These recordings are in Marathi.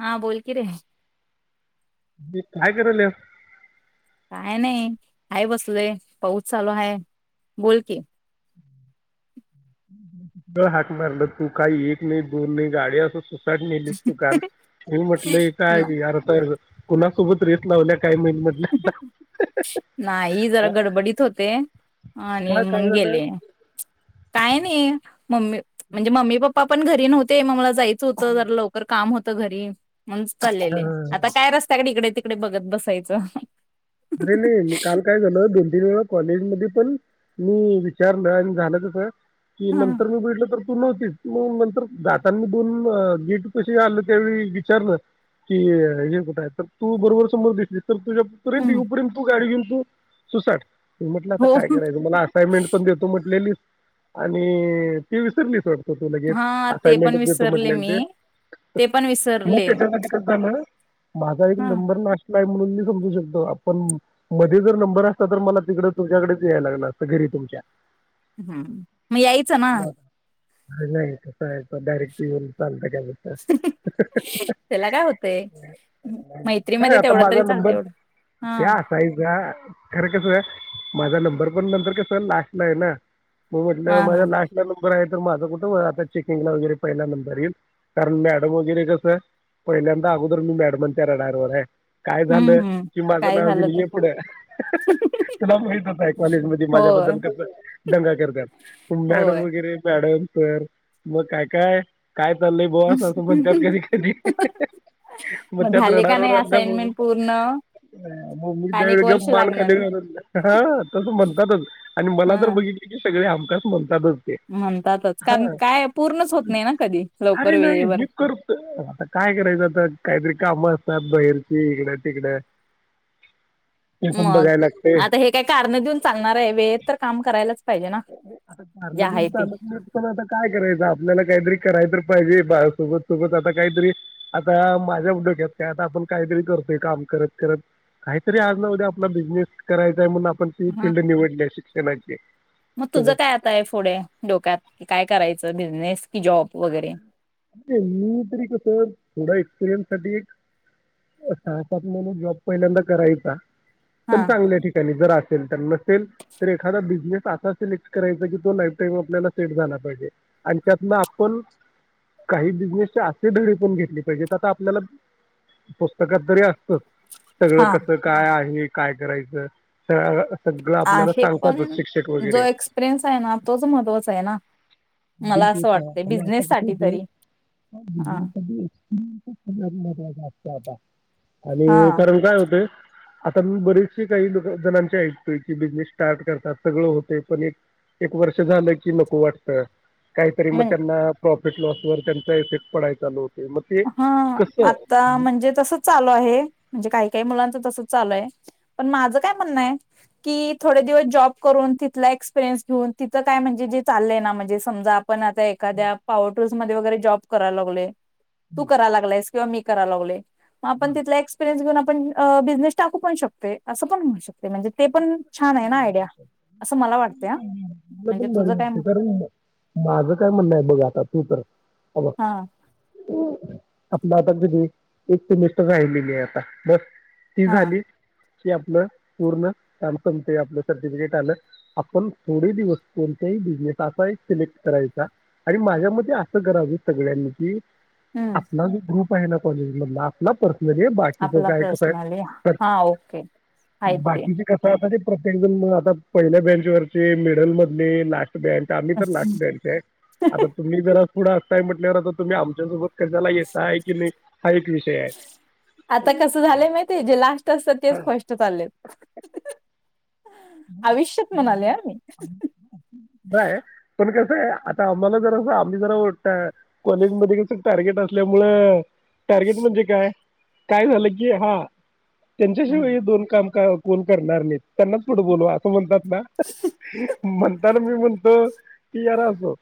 हा बोलकी रे. दे काय कराल्यास? काय नाही हाय बसलोय पाऊस चालू हाय बोल की. हाक मारलं तू काही एक नाही दोन नाही गाडी असून स चट न्हेलीस तू काल. म्हणून म्हटलं हे ना- काय अर्थ हाय होय? कुणासोबत रेस लावल्या काही महित म्हणलं? नाही जरा गडबडीत होते. आणि काय काय म्हणून झालं गेले. काय नाही मम्मी म्हणजे मम्मी पप्पा पण घरी नव्हते. मग मला जायचं होतं जरा लव बरं काम होतं घरी म्हणूनचं चालेले आता काय रस्त्याकडे इकडे तिकडे बघत बसायचं. अरे नाही मी काल काय झाल दोन तीन वेळा कॉलेज मध्ये पण मी विचारलं आणि झालं कसं, की हा नंतर न बघीतलं तर तु नव्हतीस म नंतर जातांनी दोन गेट पशी आलो त्यावेळी विचारलं. कि हे कुठं आहे, तर तू बरोबर समोर दिसलीस तर तुझ्या तिथपर्यंत हम्म येवू पर्यंत तू गाडी घेऊन तु सुसाट. म्हटलं आता हो काय करायचं मला असायमेंट पण दे तो म्हटलेलीस आणि ती विसरलीस वाढत. तो तू लगेच हा ते पण असाइमेंट देतो विसरले म्हटल्याल मी ते. ते [unintelligible] पण मी विसरले त्याच्यासाठी करतोय ना. माझा एक हा नंबर लास्टलाय. म्हणून मी समजू शकतो आपण. मधी जर नंबर असता तर मला, तिकडं तुझ्याकडेच याय लागलं असतं. घरी तुमच्या. हम्. म यायचं, ना. काय नाही. कसाय, असं डायरेक्ट येऊन, चालतंय काय मग? [unintelligible] तेला, काय होतंय? काय मैत्रीमध्ये, आता तेवढं माझा तरी चालतंय नंबर एवढं. हा त्या असायचा. खरं कसं? माझा नंबर पण नंतर कसं? लास्टलाय ना. हो हा म्हटलं. हा माझा लास्ट ला नंबर आहे. तर माझा कुठं? आता चेकिंगला वगैरे पहिला नंबर येईल. कारण, मॅडम वगैरे कसं पहिल्यांदा अगोदर मी मॅडमांच्या रडारवर हाय. काय हम्म झालं हम्म की माझं काय नाव झालं घेईन. तर ये पुढं. [unintelligible] तुलाच माहितच हाय. कॉलेजमध्ये होय माझ्याबद्दल कसं? दंगा करत्यात. मॅडम होय वगै रे. मॅडम, सर काय- काय काय चाललंय बुवा? असं म्हणत्यात कधी- कधी. मग त्यात झाले का नाही? रडारवर असाइनमेंट असल्यामुळे पूर्ण. मग मी त्यावेळी अनेक गप वर्ष मान लागणार खाली आहे घालून. हा तसं म्हणतातच. आणि मला तर हा बघित की, सगळे हमखास म्हणतातच. ते म्हणतातच. कारण, कायय पूर्णच होत नाही ना कधी. लवकर अरे नाही वेळेवर. मी करतो आता काय करायचं, आता? काहीतरी कामं असतात. बाहेरची इकडं -तिकडं. ते पण मग, बघायला लागते आता हे काय, कारणं देऊन चालणारय व्हय? वेळेत तर काम करायलाच पाहिजे ना आता जे कारणं देऊन आहे ते चालत नाहीत. पण आता काय करायचं? आपल्याला काहीतरी कराय तर पाहिजे. बा सोबत- सोबत आता काहीतरी. आता माझ्या डोक्यात काय? आता आपण काहीतरी करतोय, काम करत- करत. काहीतरी आज न उद्या, आपला बिझनेस करायचाय. म्हणून, आपण ती हा फील्ड निवडलीय शिक्षणाची. मग सोबत तुझं काय आताय? फूढे, डोक्यात. की, काय करायचं? बिझनेस कि जॉब वगैरे. तेन्ही तरी कसं? थोडा एक्सपिरियन्स साठी सहा - सात महिने जॉब पहिल्यांदा करायचा. पण हा चांगल्या ठिकाणी. त्यांनी जर असेल. तर नसेल तर एखादा बिझनेस असा सिलेक्ट करायचा. की, तो लाईफ टाईम आपल्याला सेट झाला पाहिजे. आणि त्यातन पण काही बिझनेसचे असे, धडे पण घेतले पाहिजेत. आता आपल्याला पुस्तकात तरी असतच. सगळं, हा कसं, काय आहे? काय, करायचं? सगळं आपल्याला आहे सांगतातच पण, शिक्षक जो वगैरे एक्सपिरियन्स आहे ना. तोच महत्त्वाचा आहे ना. [unintelligible] मला असं वाटतंय बिझनेस साठी तरी हा एक्सपिरीयन्सच, सगळ्यात महत्त्वाचा असतो आता. हा आणि कारण काय होतय आता मी बरेचसे काही लोक जणांचे ऐकतोय की, बिझनेस स्टार्ट करतात. सगळं होतय. पण एक एक वर्ष झालं की, नको वाटतं. की मग म्हण त्यांना, प्रॉफिट- लॉसवर, त्यांचा इफेक्ट पडाय चालू होत. हा, आता म्हणजे तसंच चालू आहे. म्हणजे, काही- काही मुलांच तसंच चालूय. पण, माझं काय म्हणणंय. की, थोडे दिवस जॉब करून. तिथला एक्सपिरियन्स घेऊन. तिथं काय म्हणजे, जे चालय ना. म्हणजे, समजा पण आता एखाद्या, पॉवरटूल्स मध्ये वगैरे. जॉब करायला लागलोय. तू हम्म. कराय लागलायस. किंवा मी कराय लागलोय. मग आप तिथला एक्सपिरियन्स घेऊन. आपण अ बिझनेस टाकू पण शकतोय. असं पण होऊ शकतंय. म्हणजे ते पण छान आहे ना आयडिया असं मला वाटते हा म्हणजे तुझं काय म- [unintelligible] माझं काय म्हणणंय. बघ आता, तू तर. हे बघ. हा आपलं आता, [unintelligible] एक सेमिस्टर राहिलेली आहे, आता बस. ती हा झाली की, आपलं पूर्ण काम सपतंय, आपलं सर्टिफिकेट आलं. आपण थोडे दिवस, कोणत्याही बिझनेस, असा एक सिलेक्ट करायचा आणि, माझ्या मते असं [unintelligible] सगळ्यांनी कि हम्म आपला, जो ग्रुप आहे ना, कॉलेज मधला आपला प म्हणजे, बाकीच आपला काय कसं आहे, पर्सनली हा ओके आहेत ते बाकीचे कस आता ते, प्रत्येक जण, आता पहिल्या बेंचवरचे, मिडल मधली, लास्ट, बेंच, आम्ही तर लास्ट बेंच आहे. आता, तुम्ही, जरा पुढं असताय, म्हटल्यावर आता तुम्ही, आमच्यासोबत, कशालायताय की नाही, हा, एक विषय आहे. आता, कसं झालंय माहित आहे, जे लास्ट असत्यात तेच फर्स्ट चालले, आयुष्यत म्हणाले आ, मी. नाहीय पण कसं आहे, आता आम्हाला जर आम्ही जरा कॉलेज मध्ये कसं, टार्गेट असल्या मूळ, टार्गेट म्हणजे काय, काय झालं की हा, त्यांच्याशिवाय हम्म हे दोन काम काय कोण करणार नाहीत, त्यांना खोटं, बोलू असं म्हणतात ना, म्हणताना मी म्हणतो, की यार असो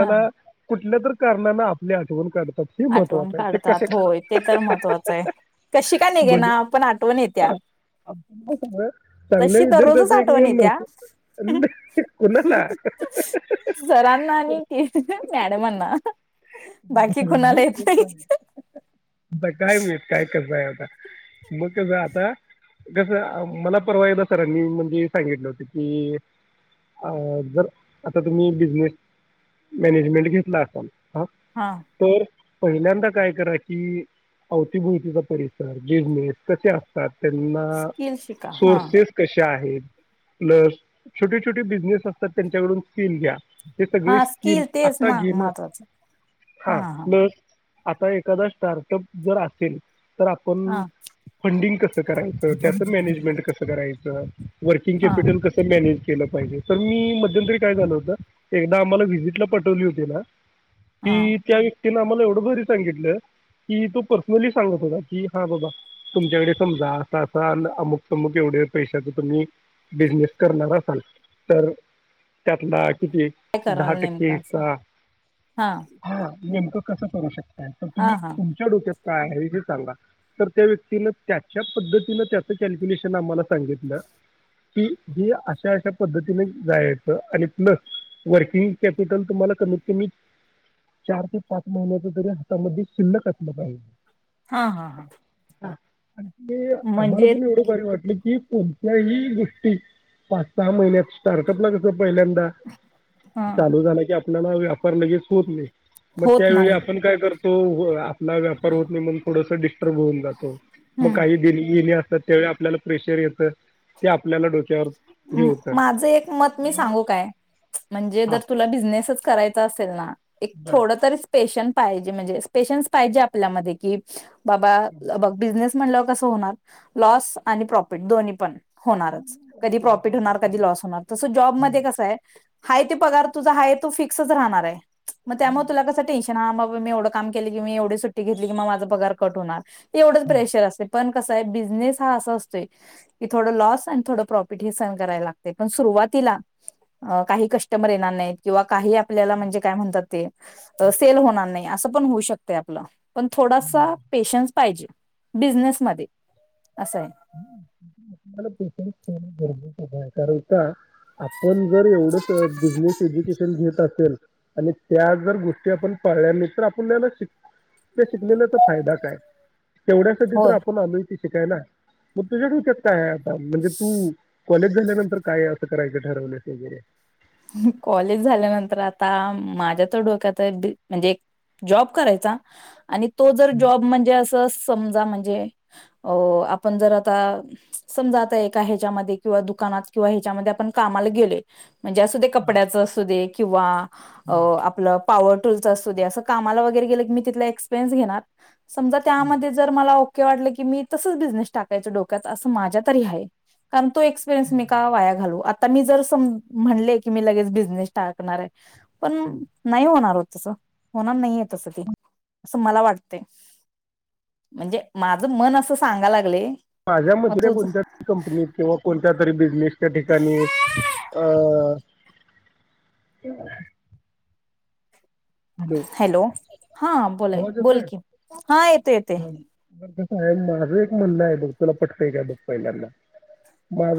ह कुठल्या तर कारणाने, आपली आठवण काढतात. हे आठवण महत्वाचं आहे ते काढतात, कसे होय ते तर महत्त्वाचं आहे, कशी का म्हणजे निघेना, पण आठवण येत्या, [unintelligible] चांगल्या तशी विद्यार्थ्याच, दररोजच एक आठवण हुन येत्या जात, कुणाला सरांना आणि, के मॅडमांना, आता बाकी कुणाला येत नाही काय माहिती, काय करतंय आता, मग कसं आता, कसं मला परवा, एकदा सरांनी म्हणजे, सांगितलं होत की अ, जर आता तुम्ही, बिजनेस मॅनेजमेंट घेतला असाल, ह, हा, तर, पहिल्यांदा काय करा कि अवतीभुवतीचा परिसर, बिजनेस कसे असतात, त्यांना स्किल शिका हा सौर्सस कशा आहेत, प्लस छोटे- छोटे बिझनेस असतात, त्यांच्याकडून स्किल घ्या. हे, सगळे हा स्कीम स्किल तेच आता ना घेणं. महत्वाचं हा, बर आता एखादा स्टार्टअप जर असेल, तर, हा आपण फंडिंग कस करायचं, त्याचं मॅनेजमेंट कसं करायचं. हा वर्किंगॅपिटल कस, मॅनेज केलं पाहिजे, तर मी, मध्यंतरी काय झालं होत. एकदा आम्हाला, व्हिजिटला पठवली होती ना, हा कि, त्या व्यक्तीने, आम्हाला एवढं भारी सांगितलं की, तो पर्सनली सांगत होता की हा बाबा, तुमच्याकडे समजा, असा -असा अमुक -तमुक एवढे पैशाच तुम्ही, बिजनेस करणार असाल, तर त्यातला किती काय दहा कराल टाके, नेमकं असं का, हा, नेमकं कसं करू शकताय, तर हा तुम्ही, हा तुमच्या डोक्यात काय आहे हे सांगा, तर, त्या व्यक्तीन त्याच्या, पद्धतीनं त्याचं कॅल्क्युलेशन, आम्हाला सांगितलं. की, जी अशा एक पद्धतीने जायचं, आणि प्लस वर्किंग कॅपिटल, तुम्हाला कमीत, कमी, चार, ते पाच, महिन्याच, तरी हातामध्ये शिल्लक असलं पाहिजे. हा, हा, हा, हा आणि आम्हाला म्हणजे पण एवढे जर 'वाटली की कोणत्याही गोष्टी पाच सहा महिन्यात स्टार्कत ला कसं पहिल्यांदा. ह चालू झाला की आपल्याला व्यापार लगेच होत नाही मग होत त्यावेळी नाही आपण काय करत. तो हो आपला व्यापार होत नाही म्हण थोडस डिस्टर्ब होऊन जातो म हम्म काही दि येणे असतात. त्यावेळी आपल्याला प्रेशर येतं ते आपल्याला डोक्यावर हे अम होतं माझं एक मत मी सांगू काय? म्हणजे हा जर तुला बिझनेसच करायचा असेल ना एक बरं थोड तरी पेशन पाहीजे म्हणजे पेशन्स पाहीजे आपल्या मधे की बाबा ल ब बिजनेस म्हणल कस होणार लॉस आणि प्रॉफिट दोन्ही पण होणारच. प्रॉकीट होणार कधी लॉस होणार तस जॉबमधे कस कस हे हाय ते पणार तुझा हाय तो फिक्सच राहणार हाय म त्यामुळ तुला कस टेनशन हा मग मी एवंढ काम केल की एवढी सुट्टी घेतली की माझा पगार कट होणार. ते एवढंच प्रेशर असते पण कसं हे बिझनेस हा असं असतोय की थोडं लॉस आण थोडं प्रॉफिट. पीठी सहण करायला लागते पण सुरुवातीला अ काही कस्टमर येणार नाहीत किंवा काही आपल्याला म्हणजे काय म्हणतात ते त सेल होणार नाही असं पण होऊ शकत ये आपलं. पण थोडासा पेशन्स पाहिजे बिझनेस मध्ये असं हे. हम्म. [unintelligible] तुम्हाले पेशन्स ठेवणे गरजेचं हाय कारण का आपण जर एवढ प बिझनेस [inaudible] एजूकेशन घेत असेल आणि त्या जर गोष्टी आपण पाळल्या नाही तर आपू न्याला शिक ते शिकलेलाचा फायदा काय? तेवढ्यासाठी तर होय आपण [unintelligible] मग तुझ्या डोक्यात काय आहे आता म्हणजे तू कॉलेज झाल्यानंतर काय असं करायचं ठरवल्यस वगैरे? कॉलेज झाल्यानंतर आता माझ्या तर डोक्यात हाय डी म्हणजे जॉब करायचा आणि तो जर जॉब म्हणजे असं समजा म्हणजे अ आपण जर आता समजा आताय का ह्याच्यामध्ये किंवा दुकानात किंवा ह्याच्यामध्ये आपण कामाला गेले. म्हणजे असू दे कपड्याच असू दे किंवाअ हा. आपलं पावर टूलचं असुदे, असं कामाला वगैरे की मी तिथला एक्सपीरियंस घेणार समजा त्यामध्ये जर मला वाटलं की मी तसंच बिझनेस टाकायच डोक्यात माझ्या तरी आहे. कारण तो एक्सपिरियन्स मी का वाया घालू आता मी जर सम म्हणले की मी लगेच बिझनेस टाकणार हाय, पण नाही होणार हो तस. होणार नाहीय तसं काही असं मला वाटतंय म्हणजे माझं मन असं सांगा लागले. माझ्या मग मधल्या तुझ कोणत्या तरी कंपनीत किंवा कोणत्या तरी बिझनेस त्या ठिकाणी अ हॅलो हा बोला बोल की हा येतो येतो. बर कस आहे माझं एक म्हण आहे बघ तुला पटकाय का बघ पहिल्यांदा.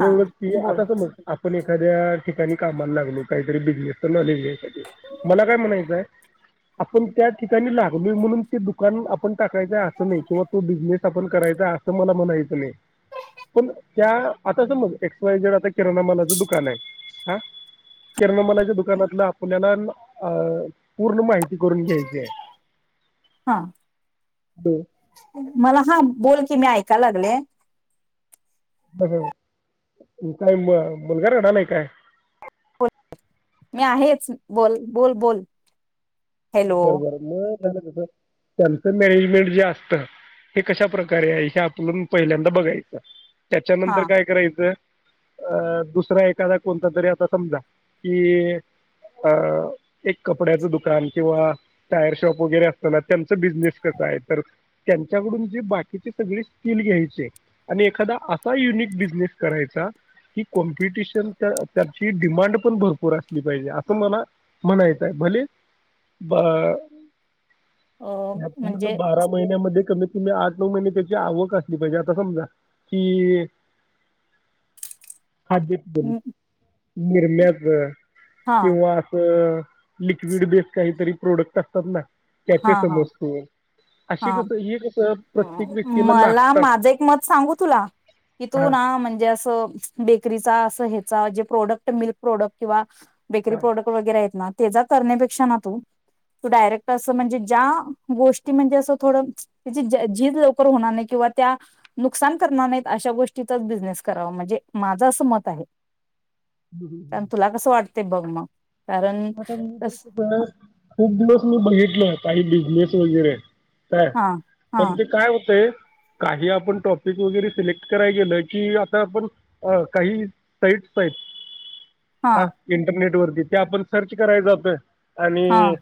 हा बग की बोल आता समज आपण एखाद्या ठिकाणी कामाला लागलो काहीतरी बिझनेस तर न लिली यासाठी मला काय म्हणायचं आहे. आपण त्या ठिकाणी लागलोय म्हणून ते दुकान आपण टाक य असं नाही किंवा तो बिझनेस आपण करायचा असं मला म्हणायचं नाही. पण त्या आता समज एक्सवाय जेड आता किराणा मालाचं दुकान आहे हा? किराणा मालाच्या दुकानातलं आपल्याला अ पूर्ण माहिती करून घ्यायचीये. हा ब मला हा बोल की मी ऐकायला लागले. काय म मुलगा रडालाय काय? मी आहेच बोल बोल बोल हॅलो बर बर मग त्यांचं मॅनेजमेंट जे असतं. हे कशा प्रकारे आहे हे आपलंून पहिल्यांदा बघायचं हा त्याच्यानंतर काय करायचं, अ दुसरा एखादा कोणता तरी आता समजा की, अ एक कपड्याचं दुकान किंवा टायर शॉप वगैरे असताना त्यांचा बिझनेस कसा आहे तर, त्यांच्याकडून जी बाकीची सगळी स्कील घ्यायचीय आणि एखादा असा युनिक बिझनेस करायचा, कि कॉम्पिटिशन त्याची डिमांड पण भरपूर असली पाहिजे असं म्हणा नायचंय भले ब अ, आ पूर्ण म्हणजे बारा महिन्यामध्ये कमी क आठ नऊ महिने त्याची आवक असली पाहिजे आता समजा कि, खाद्य निरम्याच हा किंवा असं लिक्विड बेस काहीतरी प्रोडक्ट असतात ना त्याचे हा हा समजत असे हा कस हे कस मला माझं एक मत सांगू तुला की तू हा ना म्हणजे असं बेकरीचा असं ह्याचा जे प्रोडक्ट मिल्क प्रोडक्ट किंवा बेकरी हा प्रोडक्ट वगैरे आहेत ना, तेचा करण्या पेक्षा ना तू तू डायरेक्ट असं म्हणजे ज्या गोष्टी म्हणजे असं थोडं त्याची झीज लवकर होणार नाही किंवा त्या नुकसान करणार नाहीत अशा गोष्टीचाच बिझनेस करावा म्हणजे माझं असं मत आहे. [inaudible] अन कस मग तुला कस वाटतंय बघ मग कारण कस बर खूप दिवस मी बघितलं काही बिझनेस वगैरे काय हा हा पण ते काय होतेय, काही आपण टॉपिक वगैरे सिलेक्ट कराय गेलं की आता आपण अ काही सईट आहेत हा इंटरनेट वरती त्या आपण सर्च कराय जातोय हा आणि